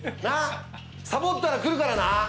さぼったら来るからな。